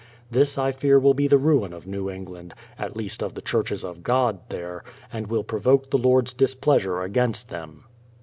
This I fear will be the ruin of New England, — at least of the churches of God there, — and will provoke the Lord's displeasure against them.